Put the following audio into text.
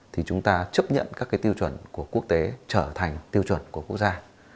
thì chúng ta chấp nhận các cái tiêu chuẩn của quốc tế trở thành tiêu chuẩn của quốc gia